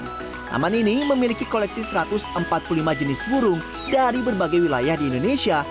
taman ini memiliki koleksi satu ratus empat puluh lima jenis burung dari berbagai wilayah di indonesia